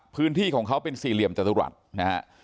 พื้นที่ของเขาเป็นสี่เหลี่ยมจตุรัสนะฮะ